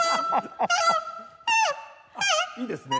いいですね。